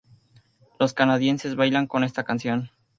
Los canadienses bailan con esta canción".